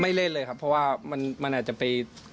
เล่นเลยครับเพราะว่ามันอาจจะไป